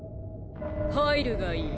入るがいい。